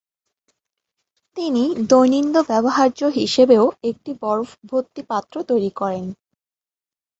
তিনি দৈনন্দিন ব্যবহার্য হিসেবেও একটি বরফ ভর্তি পাত্র তৈরি করেন।